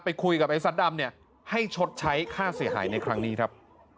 ไปคุยกับไอ้ซัดดำเนี่ยให้ชดใช้ค่าเสียหายในครั้งนี้ครับ